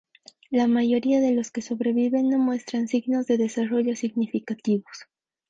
La mayoría de los que sobreviven no muestran signos de desarrollo significativos.